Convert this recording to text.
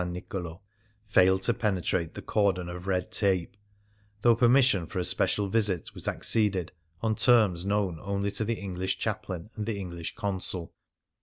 Nicolo) failed to penetrate the cordon of red tape, though permission for a special visit was acceded, on terms known only to the English Chaplain and the English Consul.